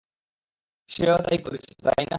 সে-ও তাই করেছে, তাই না?